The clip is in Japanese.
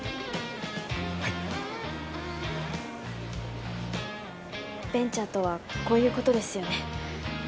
はいベンチャーとはこういうことですよね